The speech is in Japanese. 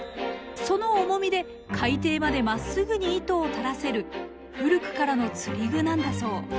その重みで海底までまっすぐに糸を垂らせる古くからの釣り具なんだそう。